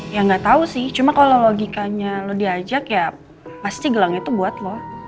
ya gak tau sih cuma kalo logikanya lu diajak ya pasti gelang itu buat lu